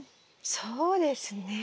そうですね。